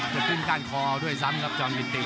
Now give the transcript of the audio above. จะพูดการคอด้วยซ้ำกับจอมกิตติด